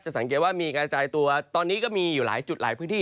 สังเกตว่ามีกระจายตัวตอนนี้ก็มีอยู่หลายจุดหลายพื้นที่